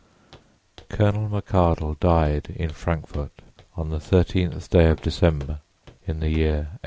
Colonel McArdle died in Frankfort on the thirteenth day of December, in the year 1879.